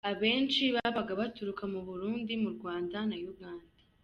Abenshi babaga baturuka mu Burundi, mu Rwanda na Uganda.”